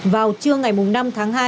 vào trưa ngày năm tháng năm